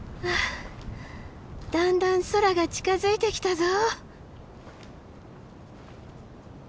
だんだん空が近づいてきたぞ。